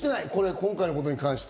今回の事に関して。